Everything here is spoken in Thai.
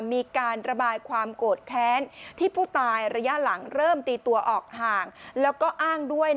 มีการระบายความโกรธแท้ที่ผู้ตายระยะหลังเริ่มตีตัวออกห่าง